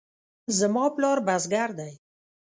زما پلار بزګر دی